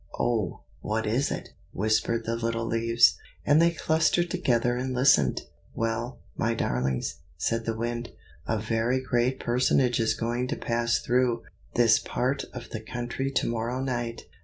oh, what is it?" whispered the little leaves. And they clustered together and listened. "Well, my darlings," said the Wind, "a very great personage is going to pass through this part of the country to morrow night.